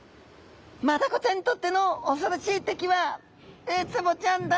マダコちゃんにとっての恐ろしい敵はウツボちゃんだ！」